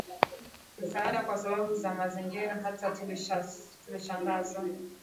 Msaada Kwa Sababu za Mazingira Hata tulishangazwa